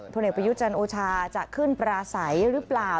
ผลเอกประยุจันทร์โอชาจะขึ้นปราศัยหรือเปล่า